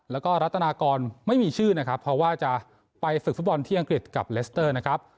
แล้วก็รัฐนากรไม่มีชื่อนะครับเพราะว่าจะไปฝึกฟุตบอลที่อังกฤษกับเลสเตอร์นะครับ